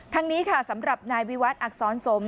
ทั้งนี้สำหรับนายวิวัฒน์อักษรสม